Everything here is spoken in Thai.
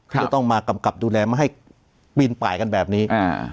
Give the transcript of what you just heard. จะต้องมากำกับดูแลมาให้ปีนป่ายกันแบบนี้